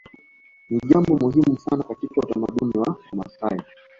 Ni jambo muhimu sana katika utamaduni wa Wamasai